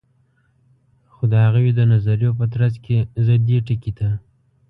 خو د هغوي د نظریو په ترڅ کی زه دې ټکي ته